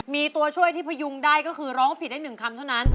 มีตัวช่วยที่พยุงได้ก็คือร้องผิดได้๑คำเท่านั้น